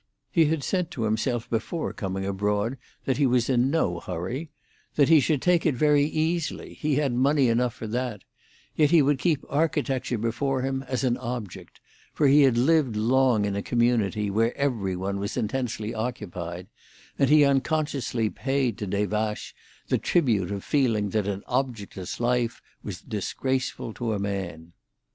He had said to himself before coming abroad that he was in no hurry; that he should take it very easily—he had money enough for that; yet he would keep architecture before him as an object, for he had lived long in a community where every one was intensely occupied, and he unconsciously paid to Des Vaches the tribute of feeling that an objectless life was disgraceful to a man.